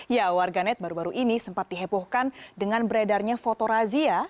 ya warganet baru baru ini sempat dihebohkan dengan beredarnya foto razia